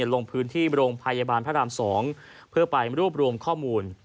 ลงพื้นที่โรงพยาบาลพระราม๒เพื่อไปรวบรวมข้อมูล